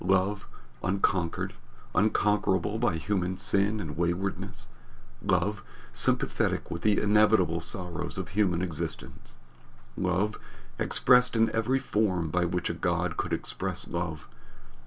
Love, unconquered, unconquerable by human sin and waywardness. Love, sympathetic with the inevitable sorrows of human existence. Love, expressed in every form by which a God could express love.